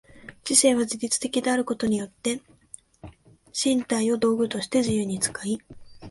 知性は自律的であることによって身体を道具として自由に使い、